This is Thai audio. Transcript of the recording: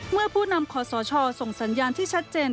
ผู้นำขอสชส่งสัญญาณที่ชัดเจน